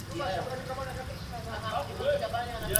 lisiloweza kuingilia maji huwapa idadi iliyobaki baadhi ya